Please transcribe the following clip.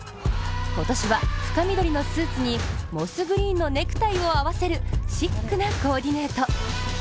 今年は、深緑のスーツにモスグリーンのネクタイを合わせるシックなコーディネート。